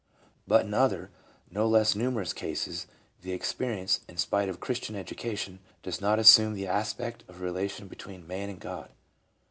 But in other, no less numerous, cases the experience, in spite of Christian education, does not assume the aspect of a relation between man and God.